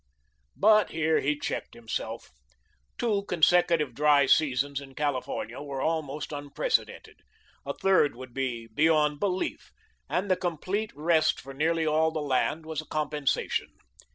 But here he checked himself. Two consecutive dry seasons in California were almost unprecedented; a third would be beyond belief, and the complete rest for nearly all the land was a compensation.